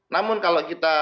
namun kalau kita